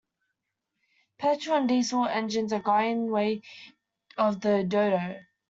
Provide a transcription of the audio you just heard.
Petrol and Diesel engines are going the way of the dodo.